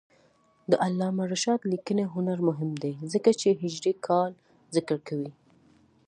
د علامه رشاد لیکنی هنر مهم دی ځکه چې هجري کال ذکر کوي.